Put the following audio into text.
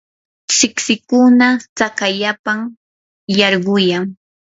siksikuna tsakayllapam yarquyan.